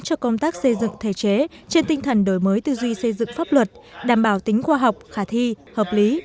cho công tác xây dựng thể chế trên tinh thần đổi mới tư duy xây dựng pháp luật đảm bảo tính khoa học khả thi hợp lý